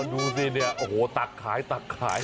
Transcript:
ดูสิเนี่ยโอ้โหตักขายตักขาย